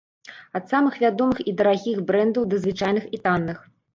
Ад самых вядомых і дарагіх брэндаў да звычайных і танных.